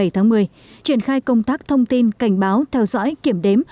hai mươi bảy tháng một mươi triển khai công tác thông tin cảnh báo theo dõi kiểm đếm